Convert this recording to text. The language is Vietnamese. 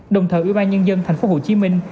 đồng thời ubnd thành phố hồ chí minh